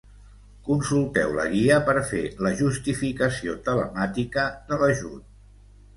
Consulteu la Guia per fer la justificació telemàtica de l'ajut.